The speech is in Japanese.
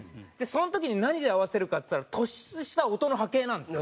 その時に何で合わせるかっていったら突出した音の波形なんですよ。